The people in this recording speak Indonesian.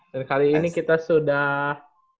dan kali ini kita sudah